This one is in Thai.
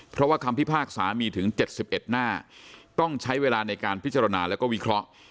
เพราะว่าคำพิพากษามีถึง๗๑หน้าต้องใช้เวลาในการพิจารณาแล้วก็วิเคราะห์